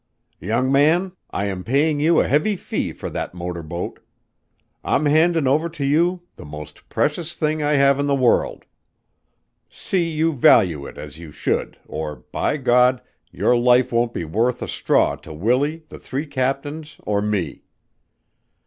"Young man, I am payin' you a heavy fee for that motor boat. I'm handin' over to you the most precious thing I have in the world. See you value it as you should or, by God, your life won't be worth a straw to Willie, the three captains, or me."